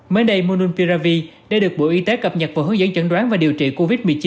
mới đây molun piravi đã được bộ y tế cập nhật vào hướng dẫn chẩn đoán và điều trị covid một mươi chín